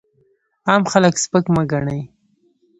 عام خلک سپک مه ګڼئ!